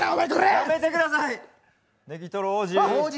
やめてください。